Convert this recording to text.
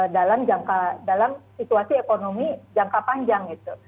dalam situasi ekonomi jangka panjang gitu